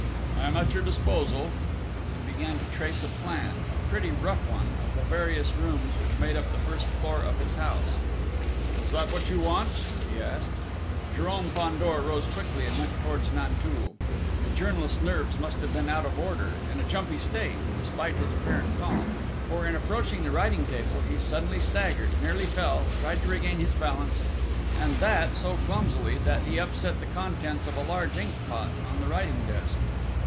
"I am at your disposal." And he began to trace a plan, a pretty rough one, of the various rooms which made up the first floor of his house. "Is that what you want?" he asked. Jérôme Fandor rose quickly and went towards Nanteuil. The journalist's nerves must have been out of order in a jumpy state, despite his apparent calm, for, in approaching the writing table, he suddenly staggered, nearly fell, tried to regain his balance, and that so clumsily that he upset the contents of a large ink pot on the writing desk....